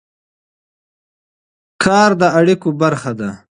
کار د اړیکو برخه ده.